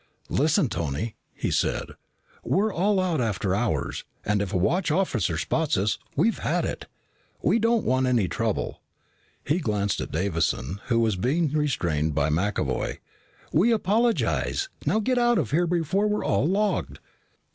"Listen, Tony," he said. "We're all out after hours, and if a watch officer spots us, we've had it. We don't want any trouble." He glanced at Davison, who was being restrained by McAvoy. "We apologize. Now get out of here before we're all logged."